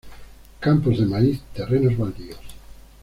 Campos de maíz, terrenos baldíos.